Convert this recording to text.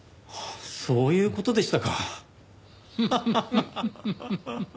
そういう事でしたか。